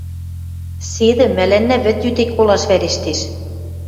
— Седӹ, мӓлӓннӓ вӹд йӱде колаш вӓрештеш...